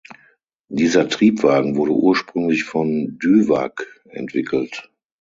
Dieser Triebwagen wurde ursprünglich von Düwag entwickelt.